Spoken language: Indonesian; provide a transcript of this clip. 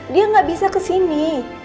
dia gak bisa kesini